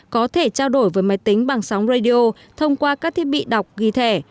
có thể trao đổi với máy tính bằng sóng radio thông qua các thiết bị đọc ghi thẻ